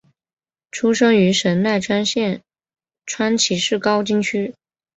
出生于神奈川县川崎市高津区。